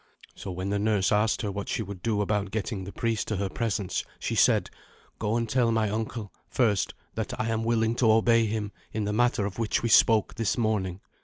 So when the nurse asked her what she would do about getting the priest to her presence, she said, "Go and tell my uncle first that I am willing to obey him in the matter of which we spoke this morning."